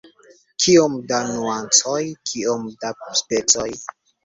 Kiom da nuancoj, kiom da specoj!